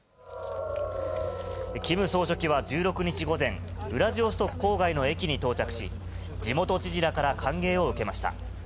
キム総書記は１６日午前、ウラジオストク郊外の駅に到着し、地元知事らから歓迎を受けました。